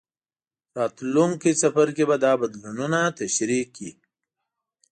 راتلونکی څپرکی به دا بدلونونه تشریح کړي.